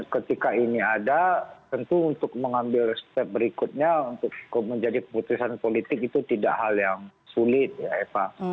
ketika ini ada tentu untuk mengambil step berikutnya untuk menjadi keputusan politik itu tidak hal yang sulit ya eva